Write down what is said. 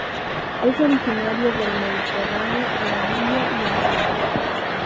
Es originario del Mediterráneo a la India y en Sudáfrica.